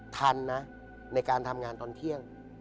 ทันนะในการทำงานตอนเที่ยง